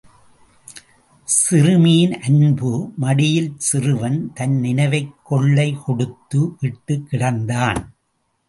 சிறுமியின் அன்பு மடியில் சிறுவன் தன் நினைவைக் கொள்ளை கொடுத்து விட்டுக் கிடந்தான்.